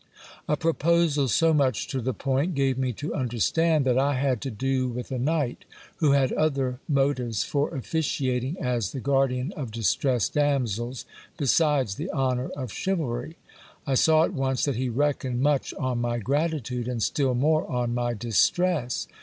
A proposal so much to the point gave me to understand that I had to do with a knight, who had other motives for officiating as the guardian of distressed damsels, besides the honour of chivalry. I saw at once that he reckoned much on my gratitude, and still more on my distress.